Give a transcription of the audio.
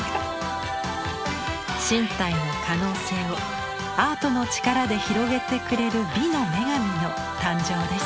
身体の可能性をアートの力で広げてくれる美の女神の誕生です。